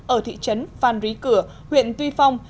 ở thị trấn phan rí cửa huyện tuy phong